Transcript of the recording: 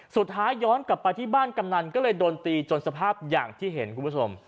สุดท้ายย้อนกลับไปที่บ้านกำนันก็เลยโดนตีจนสภาพอย่างที่เห็นคุณผู้ชม